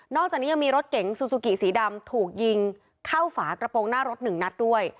อกจากนี้ยังมีรถเก๋งซูซูกิสีดำถูกยิงเข้าฝากระโปรงหน้ารถหนึ่งนัดด้วย